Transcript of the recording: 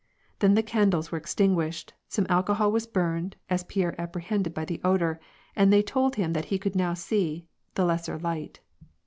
Then the can dles were extinguished ; some alcohol was burned, as Pierre apprehended by the odor, and they told him that he could now see *^The lesser light."